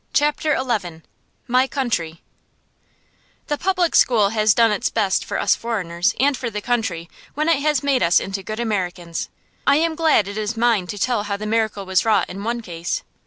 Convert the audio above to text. CHAPTER XI "MY COUNTRY" The public school has done its best for us foreigners, and for the country, when it has made us into good Americans. I am glad it is mine to tell how the miracle was wrought in one case.